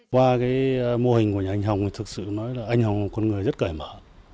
qua mô hình của anh hồng thật sự nói là anh hồng là một con người rất cởi mở